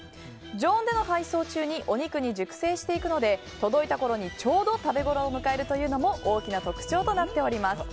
女王んでの配送中にお肉が熟成していくので届いたころにちょうど食べごろを迎えるというのも大きな特徴となっております。